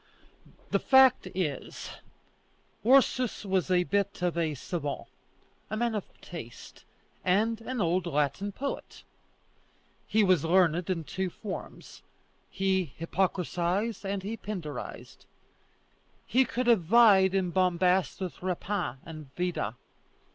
The fact is, Ursus was a bit of a savant, a man of taste, and an old Latin poet. He was learned in two forms; he Hippocratized and he Pindarized. He could have vied in bombast with Rapin and Vida.